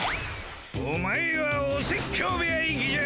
お前はお説教部屋行きじゃ！